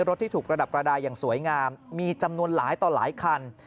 ที่ถูกประดับประดาษอย่างสวยงามมีจำนวนหลายต่อหลายคัน